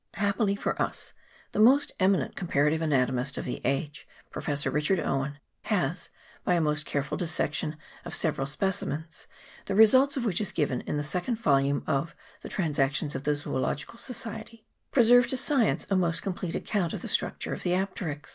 Happily for us, the most eminent comparative anatomist of the age, Professor Richard Owen, has, by a most care ful dissection of several specimens, the result of which is given in the second volume of ' The Trans actions of the Zoological Society,' preserved to science a most complete account of the structure of the apterix.